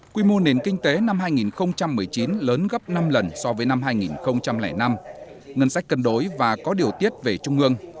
quy mô nền kinh tế năm hai nghìn một mươi chín lớn gấp năm lần so với năm hai nghìn năm ngân sách cân đối và có điều tiết về trung ương